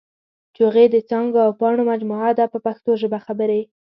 جوغې د څانګو او پاڼو مجموعه ده په پښتو ژبه خبرې.